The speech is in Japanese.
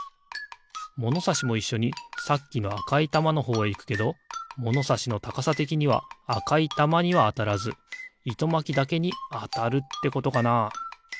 ものさしもいっしょにさっきのあかいたまのほうへいくけどものさしのたかさてきにはあかいたまにはあたらずいとまきだけにあたるってことかな？